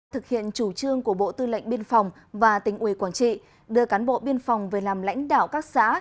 thực hiện chủ trương của bộ tư lệnh biên phòng và tỉnh ủy quảng trị đưa cán bộ biên phòng về làm lãnh đạo các xã